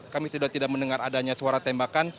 kami sudah tidak mendengar adanya suara tembakan